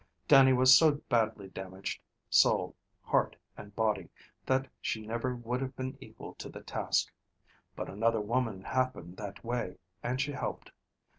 Dannie was so badly damaged, soul, heart, and body, that she never would have been equal to the task, but another woman happened that way and she helped.